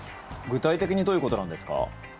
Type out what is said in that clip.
具体的にどういうことなんですか？